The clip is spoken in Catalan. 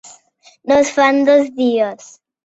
No es fa en dos dies.